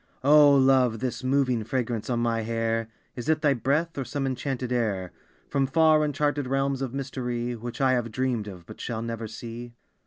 O Love, this moving fragrance on my hair, Is it thy breath, or some enchanted air From far, uncharted realms of mystery Which I have dreamed of but shall never see?